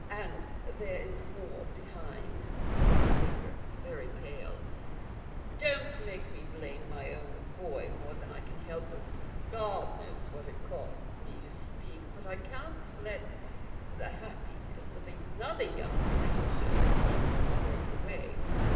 " And there is more behind," said the vicar, very pale. " Don't make me blame my own THE GOLDEN RULE. 303 boy more than I can help. Grod knows what it costs me to speak, but I can't let the happi ness of another young creature be thrown away."